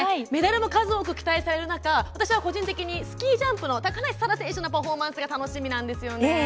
メダルも数多く期待される中私は個人的に、スキージャンプの高梨沙羅選手のパフォーマンスが楽しみです。